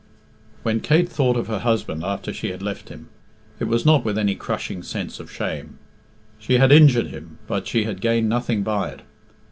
When Kate thought of her husband after she had left him, it was not with any crushing sense of shame. She had injured him, but she had gained nothing by it.